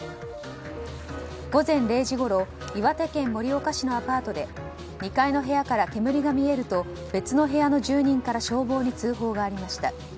午前０時ごろ岩手県盛岡市のアパートで２階の部屋から煙が見えると別の部屋の住人から消防に通報がありました。